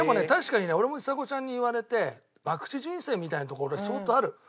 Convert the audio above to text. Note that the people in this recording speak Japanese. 確かにね俺もちさ子ちゃんに言われて博打人生みたいなところ俺相当ある。